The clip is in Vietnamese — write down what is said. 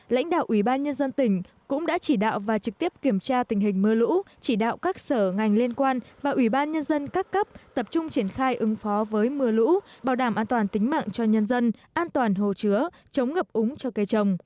lãnh đạo ủy ban nhân dân tỉnh cũng đã chỉ đạo và trực tiếp kiểm tra tình hình mưa lũ chỉ đạo các sở ngành liên quan và ủy ban nhân dân các cấp tập trung triển khai ứng phó với mưa lũ bảo đảm an toàn tính mạng cho nhân dân an toàn hồ chứa chống ngập úng cho cây trồng